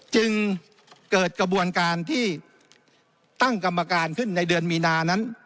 จึงเกิดกระบวนการที่ตั้งกรรมการขึ้นในเดือนมีนานั้น